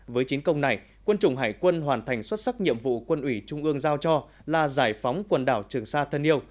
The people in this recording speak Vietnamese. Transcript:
với chiến công này quân chủng hải quân hoàn thành xuất sắc nhiệm vụ quân ủy trung ương giao cho là giải phóng quần đảo trường sa thân yêu